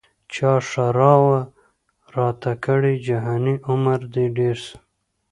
چا ښرا وه راته کړې جهاني عمر دي ډېر سه